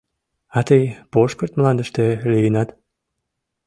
А тый Пошкырт мландыште лийынат?